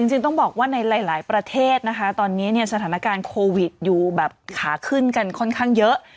จริงต้องบอกว่าในหลายประเทศนะคะตอนนี้เนี่ยสถานการณ์โควิดอยู่แบบขาขึ้นกันค่อนข้างเยอะ